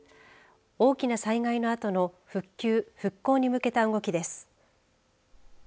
大きな災害のあとの復旧、復興に向けた動きです。